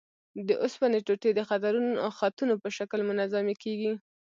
د اوسپنې ټوټې د خطونو په شکل منظمې کیږي.